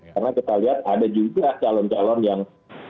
karena kita lihat ada juga calon calon yang